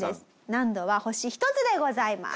難度は星１つでございます。